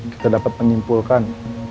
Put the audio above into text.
kita dapat menyimpulkan